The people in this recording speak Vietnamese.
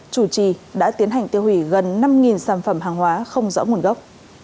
chủ trì đã tiến hành tiêu hủy gần năm sản phẩm hàng hóa không rõ nguồn gốc